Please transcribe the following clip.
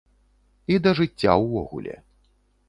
І да жыцця ўвогуле.